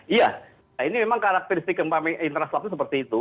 iya ini memang karakteristik gempa interslab itu seperti itu